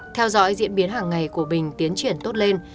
theo dõi diễn biến hàng ngày của bình tiến triển tốt lên